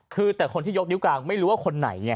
คือแต่คนที่ยกนิ้วกลางไม่รู้ว่าคนไหนไง